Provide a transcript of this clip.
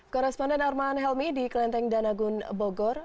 korresponden arman helmi di klenteng danagun bogor